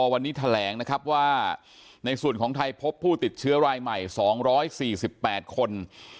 วันนี้แถลงนะครับว่าในส่วนของไทยพบผู้ติดเชื้อรายใหม่๒๔๘คน